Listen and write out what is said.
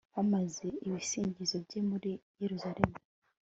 bamamaze ibisingizo bye muri yeruzalemu